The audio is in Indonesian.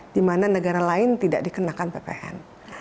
dimana negara lain tidak dikenakan ppm